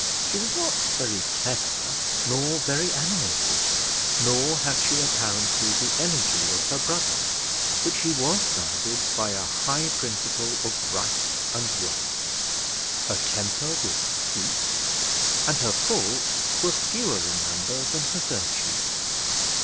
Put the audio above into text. She was not very clever, nor very animated, nor had she apparently the energy of her brother; but she was guided by a high principle of right and wrong; her temper was sweet, and her faults were fewer in number than her virtues.